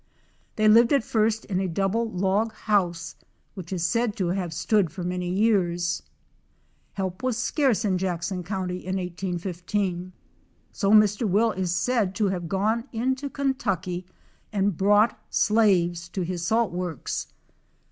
They lived at first in a double log house which is said to have stood for many years Help was scarce in Jackson county in 1815, so Mr. Will is said to have gone into Kentucky and brought slaves to his salt works.